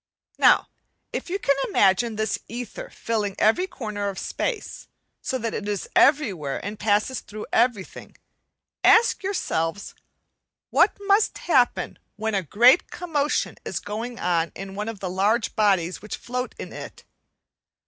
Now if you can imagine this ether filling every corner of space, so that it is everywhere and passes through everything, ask yourselves, what must happen when a great commotion is going on in one of the large bodies which float in it?